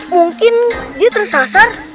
mungkin dia tersasar